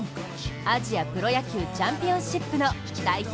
アジアプロ野球チャンピオンシップの代表